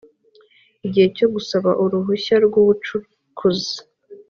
gihe cyo gusaba uruhushya rw ubucukuzi